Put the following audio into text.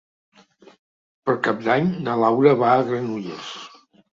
Per Cap d'Any na Laura va a Granollers.